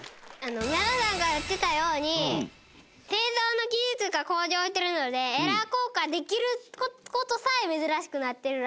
愛菜さんが言ってたように製造の技術が向上してるのでエラー硬貨ができる事さえ珍しくなってるらしい。